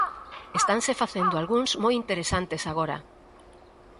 Estanse facendo algúns moi interesantes agora.